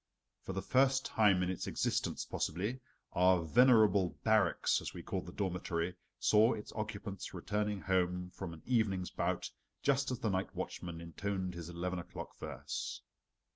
For the first time in its existence possibly, our venerable "barracks," as we called the dormitory, saw its occupants returning home from an evening's bout just as the night watchman intoned his eleven o'clock verse.